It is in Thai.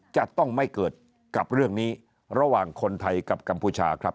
จะต้องไม่เกิดกับเรื่องนี้ระหว่างคนไทยกับกัมพูชาครับ